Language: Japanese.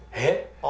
えっ？